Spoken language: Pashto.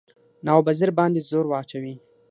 نواب وزیر باندي زور واچوي.